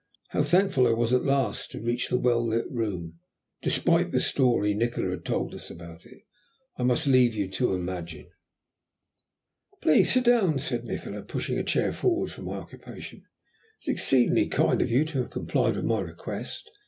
How thankful I was at last to reach the warm, well lit room, despite the story Nikola had told us about it, I must leave you to imagine. "Please sit down," said Nikola, pushing a chair forward for my occupation. "It is exceedingly kind of you to have complied with my request.